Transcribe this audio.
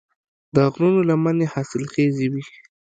د غرونو لمنې حاصلخیزې وي.